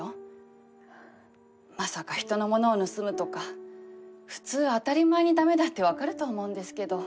まさか人のものを盗むとか普通当たり前に駄目だって分かると思うんですけど。